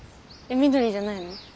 緑じゃないの？